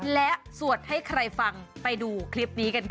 และสวดให้ใครฟังไปดูคลิปนี้กันค่ะ